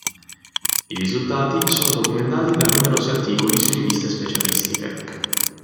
I risultati sono documentati da numerosi articoli su riviste specialistiche.